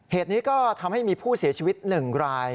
เหตุนี้ก็ทำให้มีผู้เสียชีวิต๑ราย